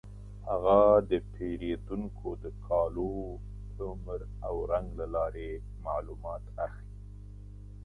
هغه د پیریدونکو د کالو، عمر او رنګ له لارې معلومات اخلي.